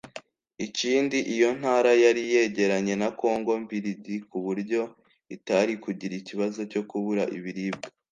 Ikindi, iyo ntara yari yegeranye na Congo Mbiligi ku buryo itari kugira ikibazo cyo kubura ibiribwa.